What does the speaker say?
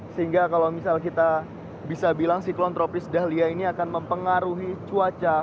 sehingga kalau misal kita bisa bilang siklon tropis dahlia ini akan mempengaruhi cuaca